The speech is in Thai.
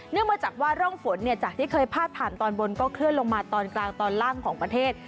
มาจากว่าร่องฝนจากที่เคยพาดผ่านตอนบนก็เคลื่อนลงมาตอนกลางตอนล่างของประเทศ